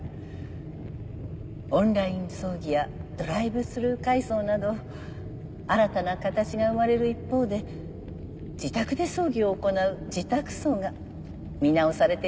オンライン葬儀やドライブスルー会葬など新たな形が生まれる一方で自宅で葬儀を行う自宅葬が見直されているようです。